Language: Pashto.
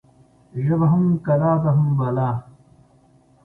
ژبه هم کلا ده هم بلا.